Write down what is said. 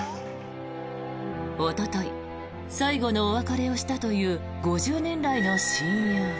おととい最後のお別れをしたという５０年来の親友は。